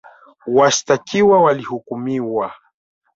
Washtakiwa walihukumiwa